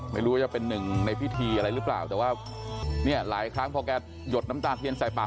ไม่รู้ว่าจะเป็นหนึ่งในพิธีอะไรหรือเปล่าแต่ว่าเนี่ยหลายครั้งพอแกหยดน้ำตาเทียนใส่ปาก